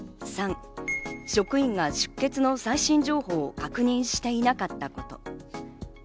３、職員が出欠の最新情報を確認していなかったこと。